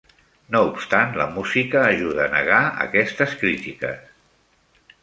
No obstant, la música ajuda a negar aquestes crítiques.